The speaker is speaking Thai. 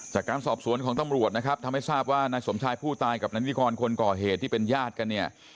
จากการสอบสวนของตำรวจนะครับทำให้ทราบว่านายสมชายผู้ตายกับนายนิกรคนก่อเหตุที่เป็นญาติกันเนี่ย